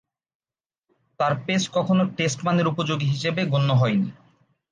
তার পেস কখনো টেস্ট মানের উপযোগী হিসেবে গণ্য হয়নি।